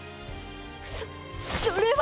そっそれは。